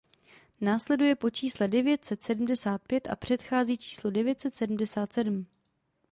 Následuje po čísle devět set sedmdesát pět a předchází číslu devět set sedmdesát sedm.